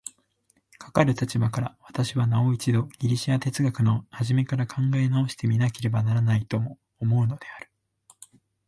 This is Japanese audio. かかる立場から、私はなお一度ギリシヤ哲学の始から考え直して見なければならないとも思うのである。